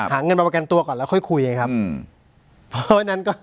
หาเงินมาประกันตัวก่อนแล้วค่อยคุยเองครับ